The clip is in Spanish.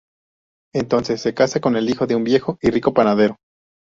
Entonces se casa con el hijo de un viejo y rico panadero.